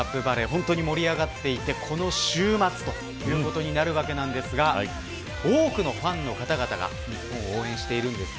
本当に盛り上がっていてこの週末ということになるわけですが多くのファンの方々が日本を応援しています。